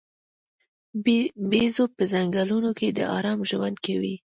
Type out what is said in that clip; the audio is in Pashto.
بیزو په ځنګلونو کې د آرام ژوند کوي.